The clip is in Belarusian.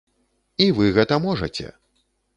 І вы гэта можаце.